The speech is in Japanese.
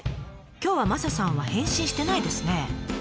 今日はマサさんは変身してないですね。